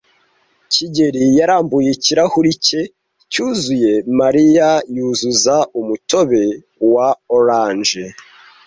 kigeli yarambuye ikirahuri cye cyuzuye Mariya yuzuza umutobe wa orange.